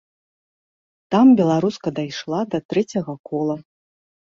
Там беларуска дайшла да трэцяга кола.